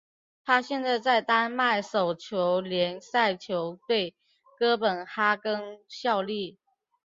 他现在在丹麦手球联赛球队哥本哈根效力。